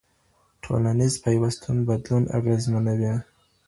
ټولنيز پيوستون بدلون اغېزمنوي.